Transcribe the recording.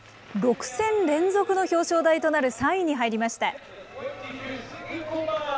６戦連続の表彰台となる３位に入りました。